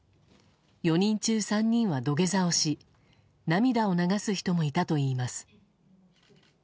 ４人中３人は土下座をし涙を流す人もいたといいます。